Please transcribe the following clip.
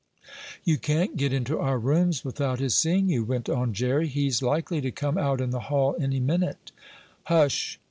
"You can't get into our rooms without his seeing you," went on Jerry. "He's likely to come out in the hall any minute." "Hush!